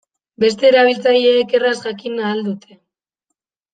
Beste erabiltzaileek erraz jakin ahal dute.